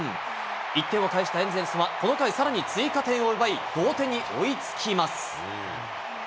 １点を返したエンゼルスは、この回、さらに追加点を奪い、同点に追いつきます。